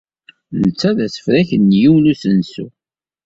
Netta d asefrak n yiwen n usensu.